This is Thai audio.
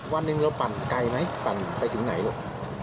วันหนึ่งเราปั่นไกลไหมปั่นไปถึงไหนลูก